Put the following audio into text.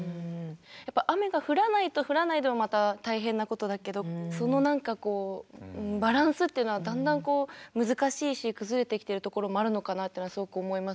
やっぱ雨が降らないと降らないでもまた大変なことだけどその何かこうバランスっていうのはだんだんこう難しいし崩れてきてるところもあるのかなってのはすごく思いますよね。